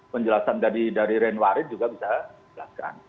penjelasan dari ren warin juga bisa dijelaskan